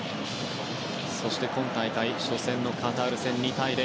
そして今大会初戦のカタール戦は２対０。